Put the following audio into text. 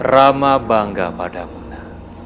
rama bangga pada muna